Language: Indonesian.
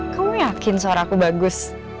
kamu yakin suaraku bagus